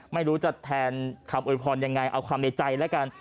ไม่รู้จะแทนคำโวยพรยังไงเอาความในใจแล้วกัน